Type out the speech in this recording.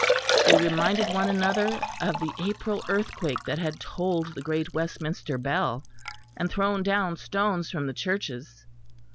They reminded one another of the April earthquake that had tolled the great Westminster bell, and thrown down stones from the churches.